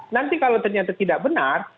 nanti kalau ternyata tidak benar